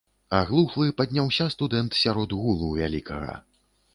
Аглухлы падняўся студэнт сярод гулу вялікага.